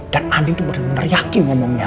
dan andi tuh bener bener yakin ngomongnya